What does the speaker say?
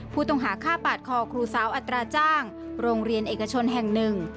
ผู้ต้องหาฆ่าปาดคอครูสาวอัตราจ้างโรงเรียนเอกชนแห่งหนึ่ง